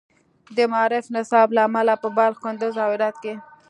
د معارف نصاب له امله په بلخ، کندز، او هرات کې